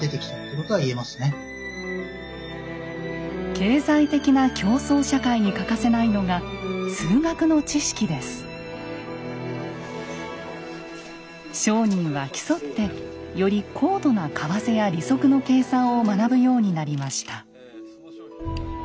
経済的な競争社会に欠かせないのが商人は競ってより高度な為替や利息の計算を学ぶようになりました。